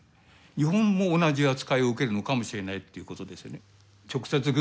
日本も同じ扱いを受けるのかもしれないっていうことですよね。